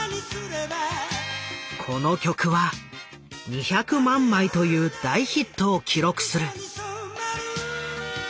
この曲は２００万枚という大ヒットを記録する。